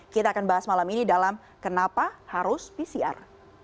kita akan bahas malam ini dalam kenapa harus pcr